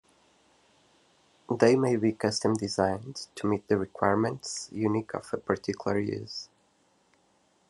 They may be custom designed to meet the requirements unique of a particular use.